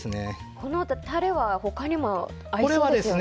このタレは他にも合いそうですね。